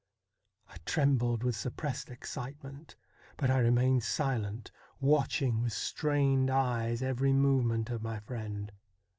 I trembled with suppressed excitement, but I remained silent, watching with strained eyes every movement of my friend.